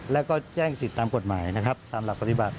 แล้วก็แจ้งสิทธิ์ตามกฎหมายนะครับตามหลักปฏิบัติ